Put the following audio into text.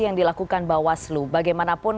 yang dilakukan bawaslu bagaimanapun